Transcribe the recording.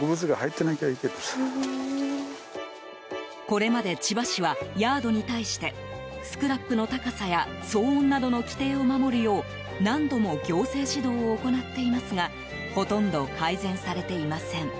これまで千葉市はヤードに対してスクラップの高さや騒音などの規定を守るよう何度も行政指導を行っていますがほとんど改善されていません。